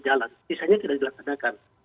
jalan sisanya tidak dilaksanakan